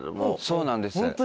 そうなんです。